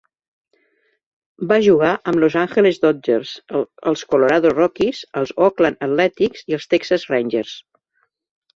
Va jugar amb Los Angeles Dodgers, els Colorado Rockies, els Oakland Athletics i els Texas Rangers.